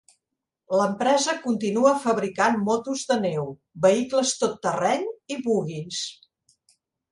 L'empresa continua fabricant motos de neu, vehicles tot terreny i buguis.